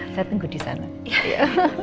saya tunggu di sana